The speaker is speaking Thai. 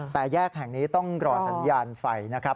แต่แยกแห่งนี้ต้องรอสัญญาณไฟนะครับ